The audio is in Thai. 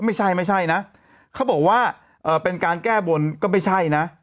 ไม่ใช่ไม่ใช่นะเขาบอกว่าเป็นการแก้บนก็ไม่ใช่นะ